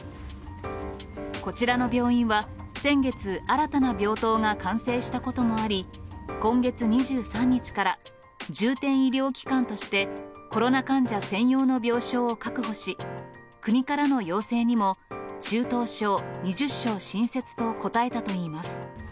こちらの病院は、先月、新たな病棟が完成したこともあり、今月２３日から、重点医療機関として、コロナ患者専用の病床を確保し、国からの要請にも中等症２０床新設と答えたといいます。